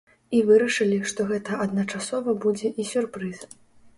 І вырашылі, што гэта адначасова будзе і сюрпрыз.